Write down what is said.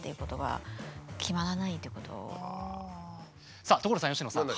さあ所さん佳乃さん。